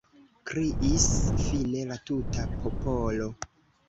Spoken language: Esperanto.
kriis fine la tuta popolo.